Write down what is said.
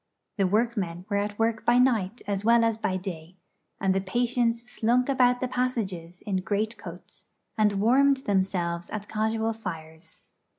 The workmen were at work by night as well as by day; and the patients slunk about the passages in greatcoats, and warmed themselves at casual fires.